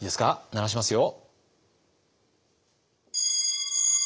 鳴らしますよ。